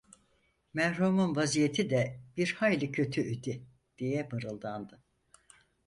"Merhumun vaziyeti de bir hayli kötü idi…" diye mırıldandı.